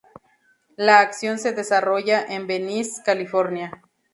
La acción se desarrolla en Venice, California.